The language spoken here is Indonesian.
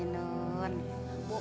oh enggak apa apa bu ainun